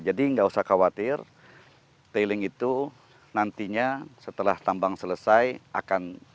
jadi nggak usah khawatir tailing itu nantinya setelah tambang selesai akan ter re vegetasikan